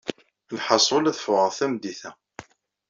Alḥasun ad ffeɣeɣ tameddit-a.